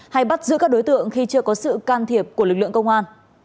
hay bắt giữ các đối tượng khi chưa có sự can thiệp của lực lượng công an